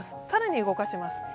更に動かします。